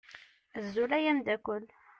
Azul ay amdakel.